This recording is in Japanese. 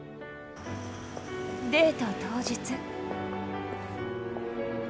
デート当日。